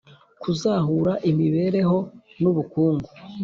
kuzahura imibereho n ubukungu